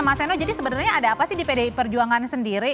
mas eno jadi sebenarnya ada apa sih di pdi perjuangan sendiri